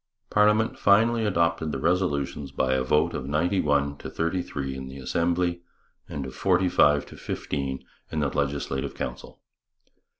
Parliament finally adopted the resolutions by a vote of ninety one to thirty three in the Assembly and of forty five to fifteen in the Legislative Council.